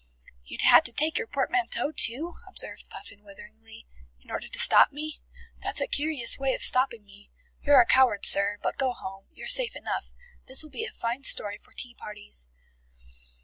"You had to take your portmanteau, too," observed Puffin witheringly, "in order to stop me. That's a curious way of stopping me. You're a coward, sir! But go home. You're safe enough. This will be a fine story for tea parties."